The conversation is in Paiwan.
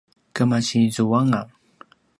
kemasi zuanga